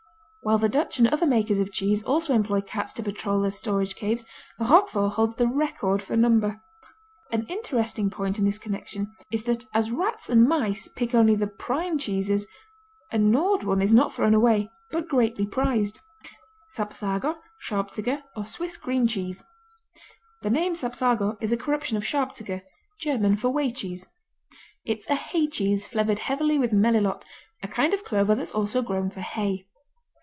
While the Dutch and other makers of cheese also employ cats to patrol their storage caves, Roquefort holds the record for number. An interesting point in this connection is that as rats and mice pick only the prime cheeses, a gnawed one is not thrown away but greatly prized. Sapsago, Schabziger or Swiss Green Cheese The name Sapsago is a corruption of Schabziger, German for whey cheese. It's a hay cheese, flavored heavily with melilot, a kind of clover that's also grown for hay.